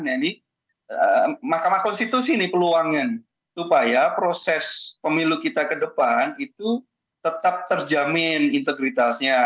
nah ini mahkamah konstitusi ini peluangnya supaya proses pemilu kita ke depan itu tetap terjamin integritasnya